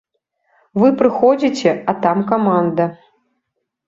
Вы прыходзіце, а там каманда.